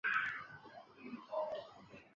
厕所设置于闸内大堂部分。